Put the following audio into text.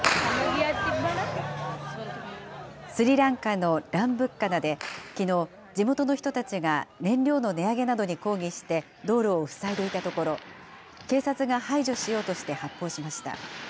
スリランカのランブッカナで、きのう、地元の人たちが燃料の値上げなどに抗議して、道路を塞いでいたところ、警察が排除しようとして発砲しました。